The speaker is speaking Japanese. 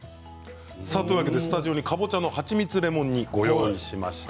スタジオにかぼちゃのはちみつレモン煮をご用意しました。